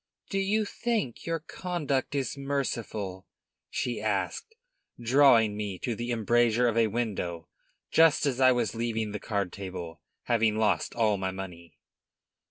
"Do you think your conduct is merciful?" she asked, drawing me to the embrasure of a window just as I was leaving the card table, having lost all my money.